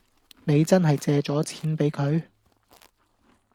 你真係借咗錢畀佢？